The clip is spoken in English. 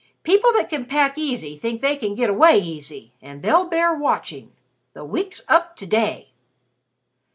People that can pack easy think they can get away easy, and they'll bear watching. The week's up to day."